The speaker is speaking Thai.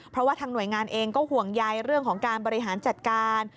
เพราะว่าทางหน่วยงานเองก็ห่วงใยเรื่องของการบริหารจัดการ